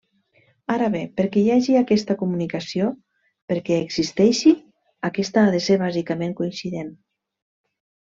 Ara bé, perquè hi hagi aquesta comunicació, perquè existeixi, aquesta ha de ser bàsicament coincident.